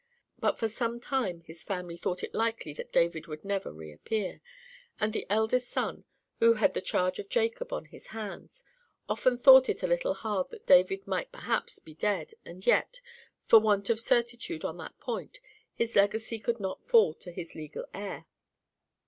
But for some time his family thought it likely that David would never reappear; and the eldest son, who had the charge of Jacob on his hands, often thought it a little hard that David might perhaps be dead, and yet, for want of certitude on that point, his legacy could not fall to his legal heir.